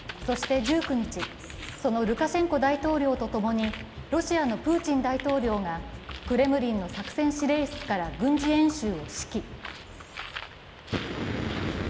そして１９日、そのルカシェンコ大統領とと共に、ロシアのプーチン大統領がクレムリンの作戦司令室から軍事演習を指揮。